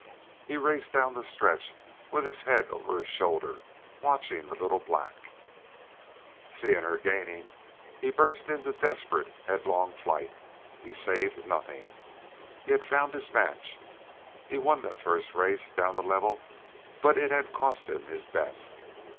He raced down the stretch with his head over his shoulder watching the little black. Seeing her gaining, he burst into desperate headlong flight. He saved nothing; he had found his match; he won that first race down the level but it had cost him his best.